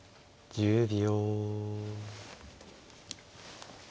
１０秒。